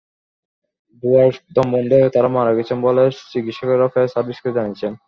ধোঁয়ায় দমবন্ধ হয়ে তাঁরা মারা গেছেন বলে চিকিৎসকেরা ফায়ার সার্ভিসকে জানিয়েছেন।